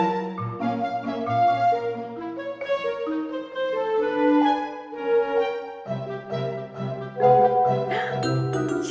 mas sila kerja lagi